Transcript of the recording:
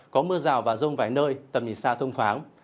có mưa rào và rông vài nơi tầm nhìn xa thông thoáng